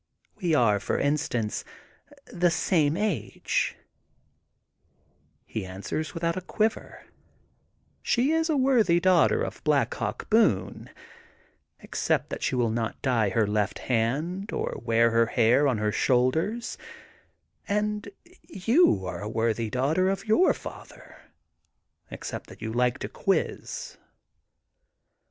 We are, for instance, the same age/' He answers without a quiver: She is a worthy daughter of Black Hawk Boone, except that she will not dye her left hand or wear her hair on her shoulders, and you are a worthy daughter of your father, except that you like to quiz.